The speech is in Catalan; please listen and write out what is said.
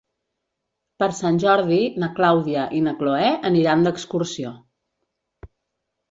Per Sant Jordi na Clàudia i na Cloè aniran d'excursió.